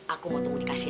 aku mau tunggu dikasih